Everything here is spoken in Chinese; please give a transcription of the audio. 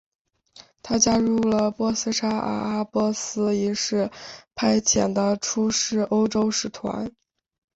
他加入了波斯沙阿阿拔斯一世派遣的出使欧洲使团。